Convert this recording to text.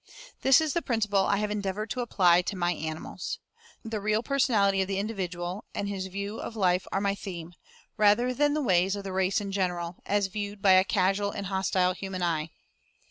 This is the principle I have endeavored to apply to my animals. The real personality of the individual, and his view of life are my theme, rather than the ways of the race in general, as viewed by a casual and hostile human eye.